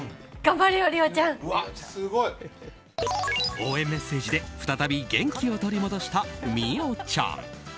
応援メッセージで再び元気を取り戻した美桜ちゃん。